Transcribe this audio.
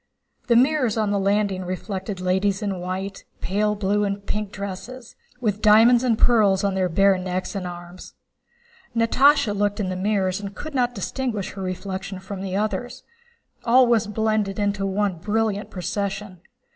The mirrors on the landing reflected ladies in white, pale blue, and pink dresses, with diamonds and pearls on their bare necks and arms. Natásha looked in the mirrors and could not distinguish her reflection from the others. All was blended into one brilliant procession.